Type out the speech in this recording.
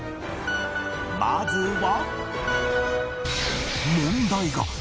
まずは